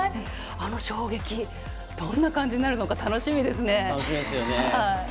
あの衝撃、どんな感じになるのか楽しみですね。